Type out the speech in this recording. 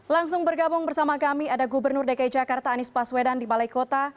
langsung bergabung bersama kami ada gubernur dki jakarta anies baswedan di balai kota